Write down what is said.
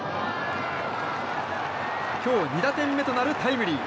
今日２打点目となるタイムリー。